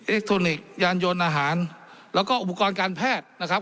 ทรอนิกส์ยานยนต์อาหารแล้วก็อุปกรณ์การแพทย์นะครับ